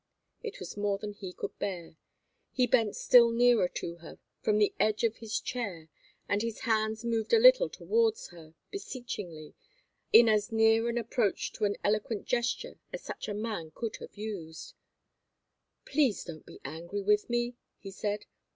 It was more than he could bear. He bent still nearer to her, from the edge of his chair, and his hands moved a little towards her, beseechingly, in as near an approach to an eloquent gesture as such a man could have used. "Please don't be angry with me!" he said.